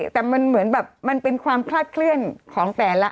แต่มันเหมือนแบบมันเป็นความคลาดเคลื่อนของแต่ละ